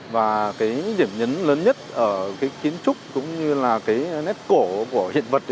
và điểm nhấn lớn nhất ở kiến trúc cũng như nét cổ của hiện vật